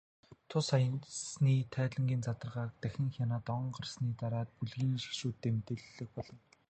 Тус аяны тайлангийн задаргааг дахин хянаад, он гарсны дараа бүлгийн гишүүддээ мэдээлэх болно.